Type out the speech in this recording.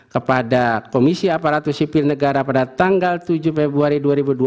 kepada komisi aparatur sipil negara pada tanggal tujuh februari dua ribu dua puluh